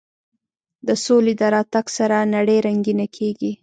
د سولې د راتګ سره نړۍ رنګینه کېږي.